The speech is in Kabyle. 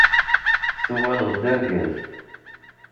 Tuɣaleḍ d argaz!